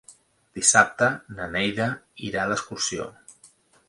Dissabte na Neida irà d'excursió.